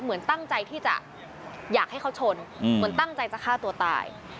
เหมือนตั้งใจที่จะอยากให้เขาชนเหมือนตั้งใจจะฆ่าตัวตาย